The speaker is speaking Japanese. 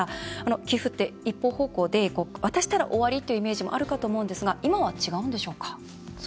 寄付って一方方向で渡したら終わりというイメージもあると思うんですが今は違うんでしょうか？